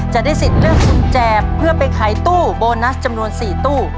จะได้สิทธิ์เลือกกุญแจเพื่อไปขายตู้โบนัสจำนวน๔ตู้